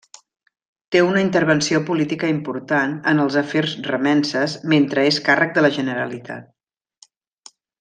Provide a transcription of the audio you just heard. Té una intervenció política important en els afers remences mentre és càrrec de la Generalitat.